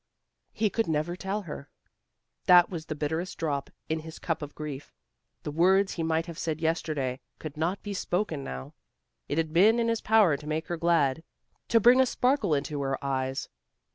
He could never tell her. That was the bitterest drop in his cup of grief. The words he might have said yesterday could not be spoken now. It had been in his power to make her glad, to bring a sparkle into her eyes.